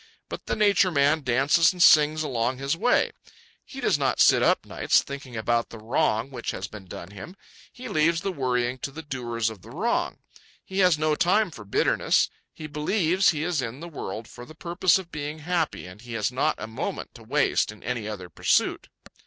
But the Nature Man dances and sings along his way. He does not sit up nights thinking about the wrong which has been done him; he leaves the worrying to the doers of the wrong. He has no time for bitterness. He believes he is in the world for the purpose of being happy, and he has not a moment to waste in any other pursuit.